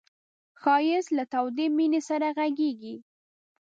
ښایست له تودې مینې سره غږېږي